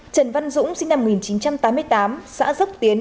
trần văn dũng sinh năm một nghìn chín trăm tám mươi tám xã dốc tiến